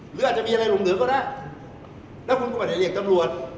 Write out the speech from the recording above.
หรืออาจจะมีอะไรหลงเหลือก็ได้แล้วคุณก็ไม่ได้เรียกตำรวจ